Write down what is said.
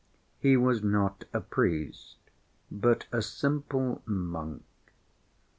He was not a priest, but a simple monk.